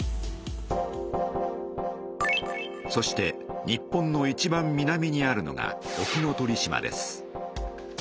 そして日本のいちばん南にあるのが沖ノ鳥島です。